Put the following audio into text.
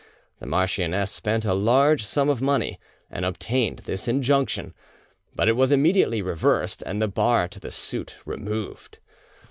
The marchioness spent a large sum of money, and obtained this injunction; but it was immediately reversed, and the bar to the suit removed.